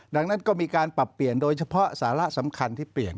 ดังนั้นก็มีการปรับเปลี่ยนโดยเฉพาะสาระสำคัญที่เปลี่ยน